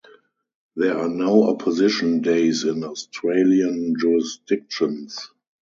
There are no opposition days in Australian jurisdictions.